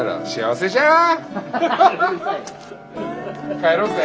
帰ろうぜ！